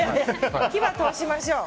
火は通しましょう。